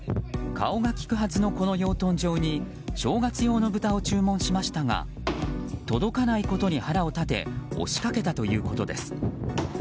顔が利くはずのこの養豚場に正月用のブタを注文しましたが届かないことに腹を立て押しかけたということです。